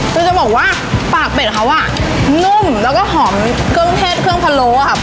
คือจะบอกว่าปากเป็ดเขาอ่ะนุ่มแล้วก็หอมเครื่องเทศเครื่องพะโลครับ